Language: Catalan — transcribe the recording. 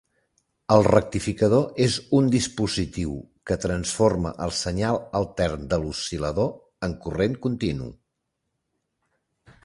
El rectificador és un dispositiu que transforma el senyal altern de l'oscil·lador en corrent continu.